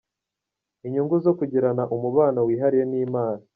Inyungu zo kugirana umubano wihariye n’Imana.